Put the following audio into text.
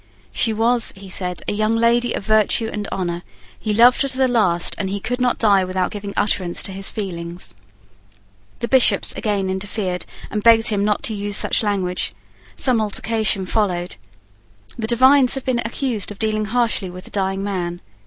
She was, he said, a young lady of virtue and honour. He loved her to the last, and he could not die without giving utterance to his feelings The Bishops again interfered, and begged him not to use such language. Some altercation followed. The divines have been accused of dealing harshly with the dying man.